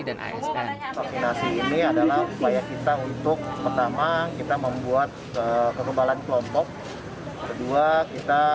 dan asn ini adalah upaya kita untuk pertama kita membuat kerembalan kelompok kedua kita